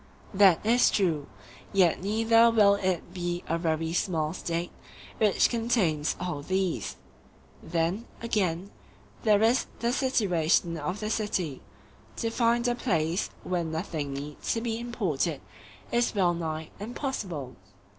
That is true; yet neither will it be a very small State which contains all these. Then, again, there is the situation of the city—to find a place where nothing need be imported is wellnigh impossible.